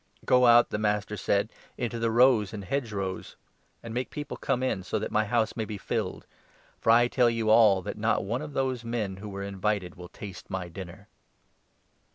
'Go out,' the master said, ' into the roads and hedgerows, 23 and make people come in, so that my house may be filled ; for I tell you all that not one of those men who were invited 24 will taste my dinner.'"